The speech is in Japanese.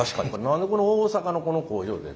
何で大阪のこの工場で？